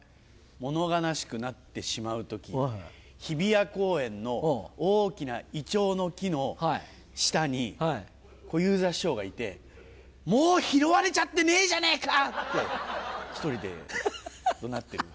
もの悲しくなってしまう時日比谷公園の大きなイチョウの木の下に小遊三師匠がいて「もう拾われちゃってねえじゃねぇか！」って１人で怒鳴ってる時。